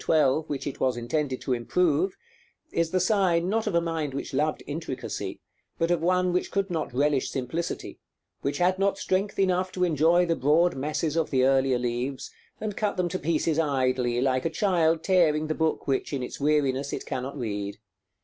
12, which it was intended to improve, is the sign, not of a mind which loved intricacy, but of one which could not relish simplicity, which had not strength enough to enjoy the broad masses of the earlier leaves, and cut them to pieces idly, like a child tearing the book which, in its weariness, it cannot read.